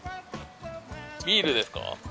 ビールですか？